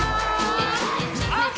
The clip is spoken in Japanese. ＯＫ！